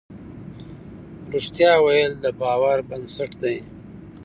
رښتيا ويل د باور بنسټ دی.